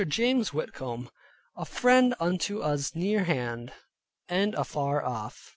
James Whitcomb, a friend unto us near hand, and afar off.